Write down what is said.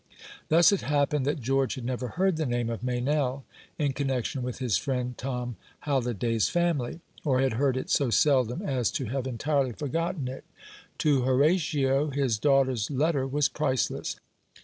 Thus it happened that George had never heard the name of Meynell in connection with his friend Tom Halliday's family, or had heard it so seldom as to have entirely forgotten it. To Horatio his daughter's letter was priceless.